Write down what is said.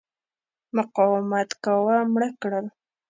مقاومت کاوه مړه کړل.